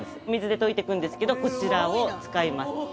水で溶いていくんですけど、こちらを使います。